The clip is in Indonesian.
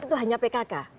itu hanya pkk